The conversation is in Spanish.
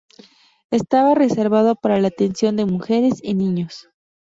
Estaba reservado para la atención de mujeres y niños.